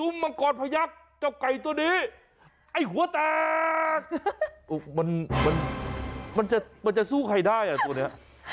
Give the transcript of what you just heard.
มันจะสู้ใครได้อะตัวนี้